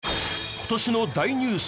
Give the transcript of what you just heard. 今年の大ニュース